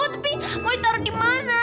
tapi mau ditaruh di mana